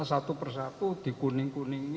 satu persatu dikuning kuning